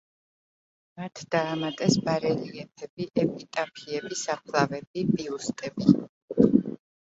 მათ დაამატეს ბარელიეფები, ეპიტაფიები, საფლავები, ბიუსტები.